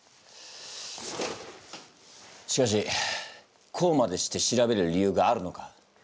しかしこうまでして調べる理由があるのか？